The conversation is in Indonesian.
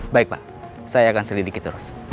baik pak saya akan selidiki terus